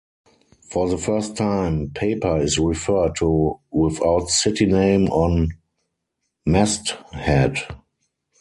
For the first time, paper is referred to without city name on masthead.